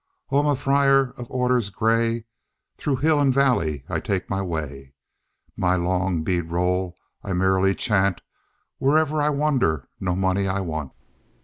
Oh, I am a friar of orders gray, Through hill and valley I take my way. My long bead roll I merrily chant; Wherever I wander no money I want!